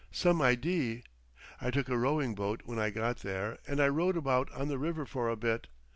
Some idee. I took a rowing boat when I got there and I rowed about on the river for a bit.